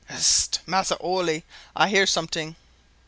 "Hist! Massa Orley. I hear somet'ing."